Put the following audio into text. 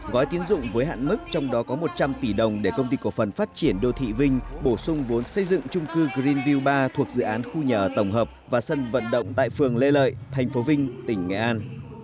gói tiến dụng với hạn mức trong đó có một trăm linh tỷ đồng để công ty cổ phần phát triển đô thị vinh bổ sung vốn xây dựng trung cư greenview ba thuộc dự án khu nhà ở tổng hợp và sân vận động tại phường lê lợi thành phố vinh tỉnh nghệ an